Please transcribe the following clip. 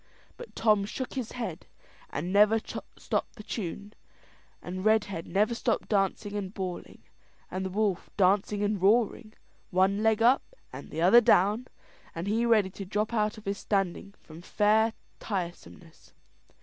But Tom shook his head, and never stopped the tune, and Redhead never stopped dancing and bawling, and the wolf dancing and roaring, one leg up and the other down, and he ready to drop out of his standing from fair tiresomeness.